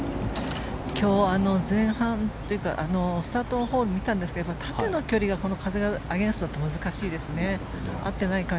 今日、前半スタートのホールみたんですが縦の距離が風がアゲンストだと難しいですね。